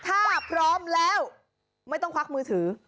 ถ้าพร้อมแล้วไม่ต้องควักมือถือ